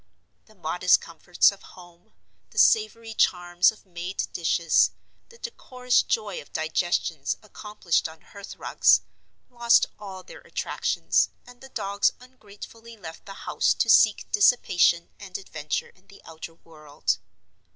The modest comforts of home, the savory charms of made dishes, the decorous joy of digestions accomplished on hearth rugs, lost all their attractions, and the dogs ungratefully left the house to seek dissipation and adventure in the outer world.